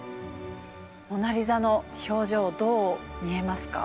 モナ・リザの表情どう見えますか？